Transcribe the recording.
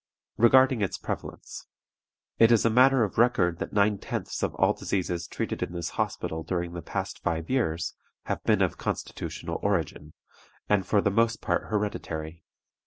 Regarding its prevalence. It is a matter of record that nine tenths of all diseases treated in this hospital during the past five years have been of constitutional origin, and for the most part hereditary.